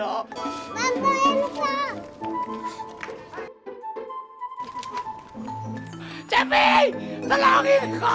kong sebentar dong kong